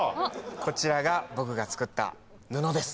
こちらが僕が作った布です！